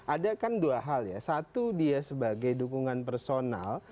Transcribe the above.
ada kan dua hal ya satu dia sebagai dukungan personal